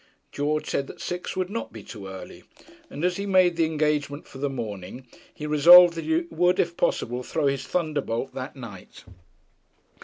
George said that six would not be too early, and as he made the engagement for the morning he resolved that he would if possible throw his thunderbolt that night.